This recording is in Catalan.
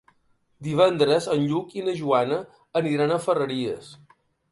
Divendres en Lluc i na Joana aniran a Ferreries.